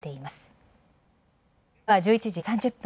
時刻は１１時３０分。